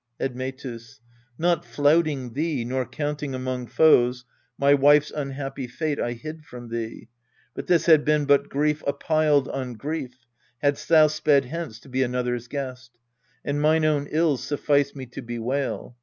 Admetus. Not flouting thee, nor counting among foes, My wife's unhappy fate I hid from thee. But this had been but grief uppiled on grief, Hadst thou sped hence to be another's guest ; And mine own ills sufficed me to bewail.